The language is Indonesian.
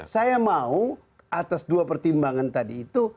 saya mau atas dua pertimbangan tadi itu